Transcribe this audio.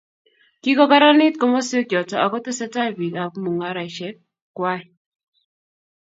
kikokararanitu komoswek choto ako tetesetai bik ab mungaresiek kwai